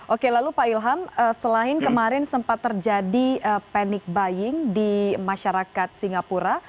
oke lalu pak ilham selain kemarin sempat terjadi panic buying di masyarakat singapura